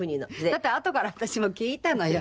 だってあとから私も聞いたのよ。